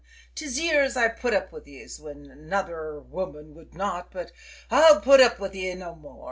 'Tis years I've put up wid yez, whin another woman would not, but I'll put up wid yez no more!